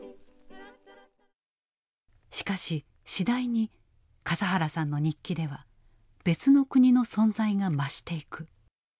しかし次第に笠原さんの日記では別の国の存在が増していく。